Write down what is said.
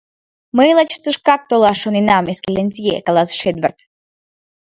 — Мый лач тышкак толаш шоненам, экселлентье, — каласыш Эдвард.